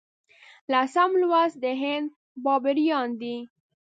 لسم لوست د هند بابریان دي.